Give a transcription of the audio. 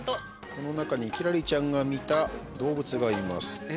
この中に輝星ちゃんが見た動物がいます。